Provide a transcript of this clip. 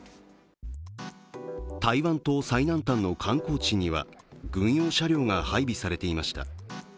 台湾島最南端の観光地には軍用車両が配備されていました。